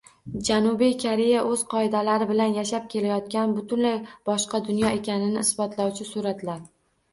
Janubiy Koreya o‘z qoidalari bilan yashab kelayotgan butunlay boshqa dunyo ekanini isbotlovchi suratlar